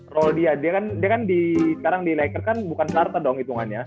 role dia dia kan dia kan di sekarang di lakers kan bukan starter dong hitungannya